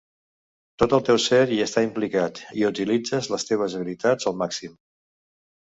Tot el teu ser hi està implicat i utilitzes les teves habilitats al màxim.